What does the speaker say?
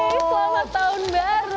selamat tahun baru